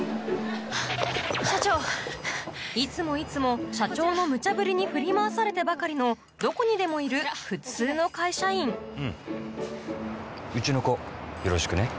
いつもいつも社長のムチャブリに振り回されてばかりのどこにでもいる普通の会社員うちの子よろしくね。